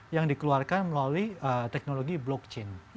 yang dikeluarkan melalui teknologi blockchain